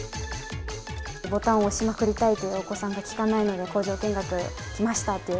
ボタンを押しまくりたいというお子さんが聞かないので、工場見学来ましたという。